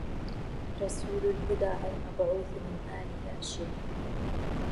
رسول الهدى المبعوث من آل هاشم